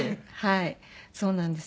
はいそうなんです。